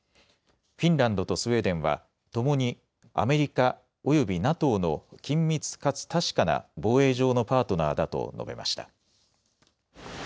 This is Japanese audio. フィンランドとスウェーデンはともにアメリカおよびＮＡＴＯの緊密かつ確かな防衛上のパートナーだと述べました。